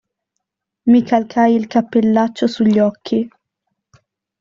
Mi calcai il cappellaccio su gli occhi.